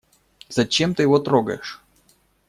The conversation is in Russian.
Зачем ты его трогаешь?